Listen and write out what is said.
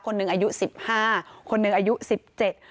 คนหนึ่งอายุสิบห้าคนหนึ่งอายุสิบเจ็ด